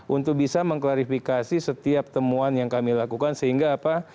untuk bisa mengklarifikasi setiap temuan yang kami lakukan sehingga apa